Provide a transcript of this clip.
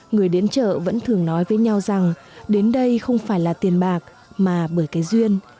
người đến chợ vẫn thường nói với nhau rằng đến đây không phải là tiền bạc mà bởi cái duyên